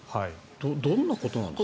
どんなことなんですか？